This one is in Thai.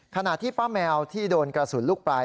ขณะที่ป้าแมวที่โดนกระสุนลูกปลาย